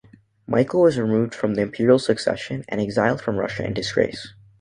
Michael was removed from the imperial succession, and exiled from Russia in disgrace.